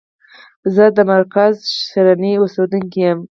زه د مرکز شرنی اوسیدونکی یم.